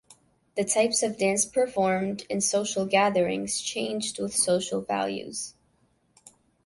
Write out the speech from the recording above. The types of dance performed in social gatherings change with social values.